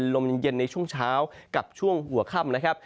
ลมเย็นในช่วงเช้ากับช่วงหัวค่ำนะครับ